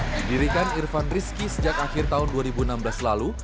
didirikan irfan rizky sejak akhir tahun dua ribu enam belas lalu